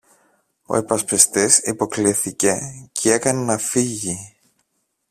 Ο υπασπιστής υποκλίθηκε κι έκανε να φύγει.